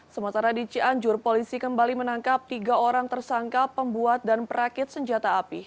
sementara di cianjur polisi kembali menangkap tiga orang tersangka pembuat dan perakit senjata api